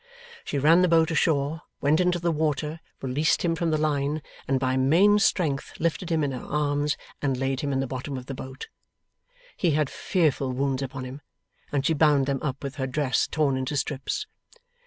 She ran the boat ashore, went into the water, released him from the line, and by main strength lifted him in her arms and laid him in the bottom of the boat. He had fearful wounds upon him, and she bound them up with her dress torn into strips.